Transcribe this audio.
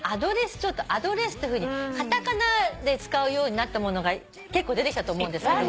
「アドレス」っていうふうにカタカナで使うようになったものが結構出てきたと思うんですけど。